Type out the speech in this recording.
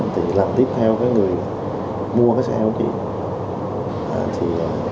thì làm tiếp theo với người mua cái xe của chị